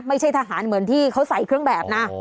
ไม่ใช่ทหารเหมือนที่เขาใส่เครื่องแบบนะ